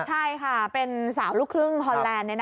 ใช่ค่ะเป็นสาวลูกครึ่งฮอนแลนด์